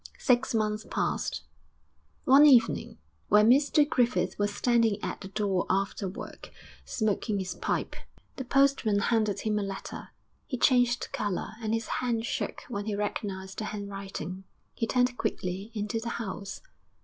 V Six months passed. One evening, when Mr Griffith was standing at the door after work, smoking his pipe, the postman handed him a letter. He changed colour and his hand shook when he recognised the handwriting. He turned quickly into the house.